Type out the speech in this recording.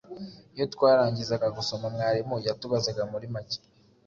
iyo twarangizaga gusoma mwarimu yatubazaga muri make